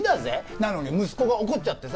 なのに息子が怒っちゃってさ。